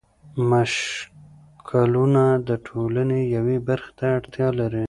مشکلونه د ټولنې یوې برخې ته اړتيا لري.